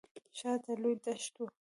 شاته لوی دښت و.